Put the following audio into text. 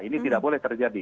ini tidak boleh terjadi